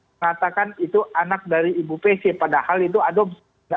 mengatakan itu anak dari ibu pc padahal itu adopsi